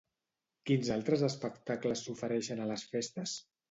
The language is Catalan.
Quins altres espectacles s'ofereixen a les festes?